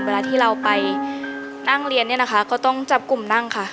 เวลาที่เราไปนั่งเรียนเนี่ยนะคะก็ต้องจับกลุ่มนั่งค่ะ